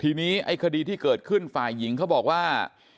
ทีนี้ไอ้คดีที่เกิดขึ้นฝ่ายหญิงเขาบอกว่า